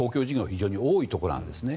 非常に多いところなんですね。